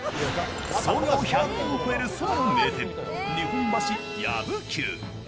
創業１００年を超えるそばの名店、日本ばしやぶ久。